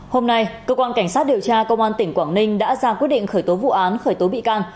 hôm nay cơ quan cảnh sát điều tra công an tỉnh quảng ninh đã ra quyết định khởi tố vụ án khởi tố bị can